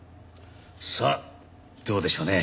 さあどうでしょうね。